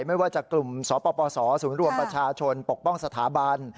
ไม่ว่าจะกลุ่มสปสศูนย์รวมประชาชนปกป้องสถาบัน